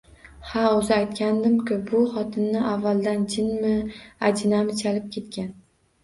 Ha, o`zi aytgandim-ku, bu xotinni avvaldan jinmi, ajinami chalib ketgan